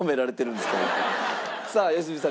さあ良純さん